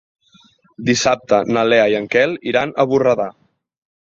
Dissabte na Lea i en Quel iran a Borredà.